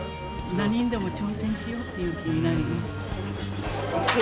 何にでも挑戦しようという気になりました。